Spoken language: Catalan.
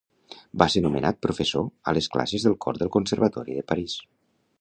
Va ser nomenat professor a les classes de cor del Conservatori de París.